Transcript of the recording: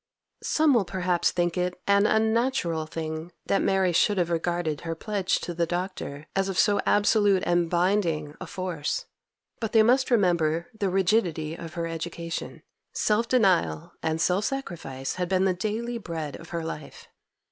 Some will perhaps think it an unnatural thing that Mary should have regarded her pledge to the Doctor as of so absolute and binding a force, but they must remember the rigidity of her education. Self denial and self sacrifice had been the daily bread of her life.